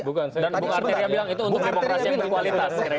bukan saya bilang itu untuk demokrasi yang berkualitas